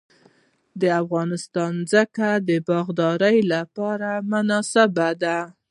د افغانستان ځمکه د باغدارۍ لپاره مناسبه ده